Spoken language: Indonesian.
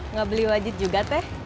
nggak beli wajib juga teh